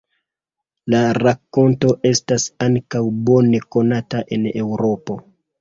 La rakonto estas ankaŭ bone konata en Eŭropo.